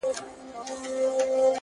د تمرکز دوام بریا تضمینوي,